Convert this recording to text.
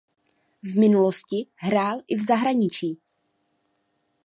V minulosti hrál i v zahraničí.